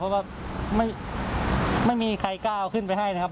เพราะว่าไม่มีใครกล้าเอาขึ้นไปให้นะครับ